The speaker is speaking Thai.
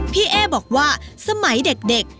พี่เอ๊บอกว่าสมัยเด็ก